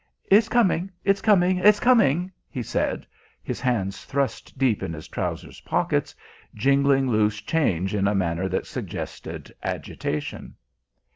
"It's coming, it's coming, it's coming," he said, his hands thrust deep in his trousers pockets, jingling loose change in a manner that suggested agitation.